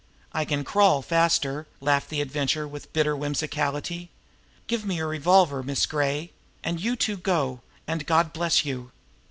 "I can crawl faster," laughed the Adventurer with bitter whimsicality. "Give me your revolver, Miss Gray, and you two go and God bless you!"